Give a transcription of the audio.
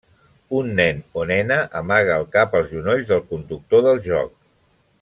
Un nen o nena amaga el cap als genolls del conductor del joc.